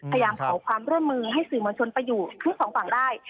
พยายามขอความเริ่มมือให้สื่อมัญชนไปอยู่ทั้งสองฝั่งได้